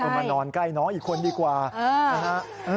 มานอนใกล้น้องอีกคนดีกว่านะฮะ